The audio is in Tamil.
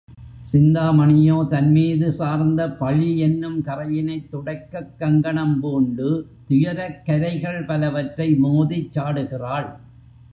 சிந்தாமணியோ, தன்மீது சார்ந்த பழியென்னும் கறையினைத் துடைக்கக் கங்கணம் பூண்டு துயரக் கரைகள் பலவற்றை மோதிச் சாடுகிறாள்.